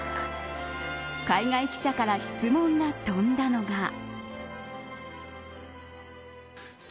海外記者から質問が飛んだのが。